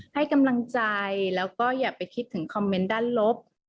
ให้กำลังใจแล้วก็อย่าไปคิดถึงคอมเมนต์ด้านลบ